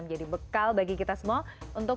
menjadi bekal bagi kita semua untuk